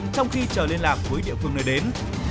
trong khi chờ liên lạc với địa phương nơi đến